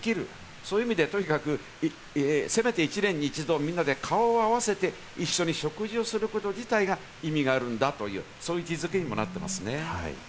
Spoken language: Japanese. そういう意味でとにかくせめて１年に１度みんなで顔を合わせて一緒に食事をすること自体が意味があるんだ、そういう位置付けにもなっていますね。